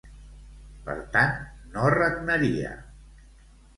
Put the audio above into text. Per tant, no regnaria.